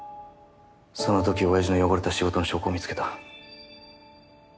その時親父の汚れた仕事の証拠を見つけた。